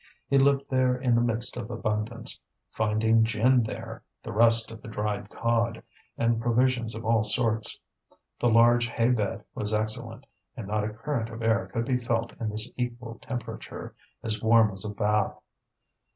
He lived there in the midst of abundance, finding gin there, the rest of the dried cod, and provisions of all sorts. The large hay bed was excellent, and not a current of air could be felt in this equal temperature, as warm as a bath.